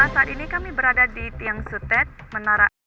saat ini kami berada di tiang sutet menara